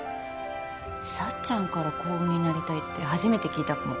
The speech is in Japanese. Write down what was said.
幸ちゃんから幸運になりたいって初めて聞いたかも。